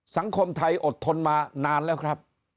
สังคมไทยอดทนมานานแล้วครับ